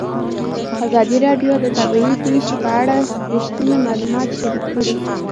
ازادي راډیو د طبیعي پېښې په اړه رښتیني معلومات شریک کړي.